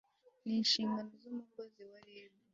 n inshingano z umukozi wa rib